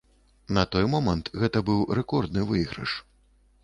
На той момант гэта быў рэкордны выйгрыш.